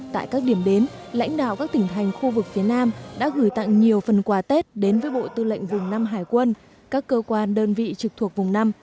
tại các điểm đến lãnh đạo các tỉnh thành khu vực phía nam đã gửi tặng nhiều phần quà tết đến với bộ tư lệnh vùng năm hải quân các cơ quan đơn vị trực thuộc vùng năm